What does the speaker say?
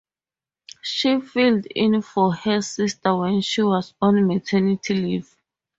She filled in for her sister when she was on maternity leave.